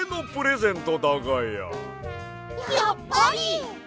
やっぱり！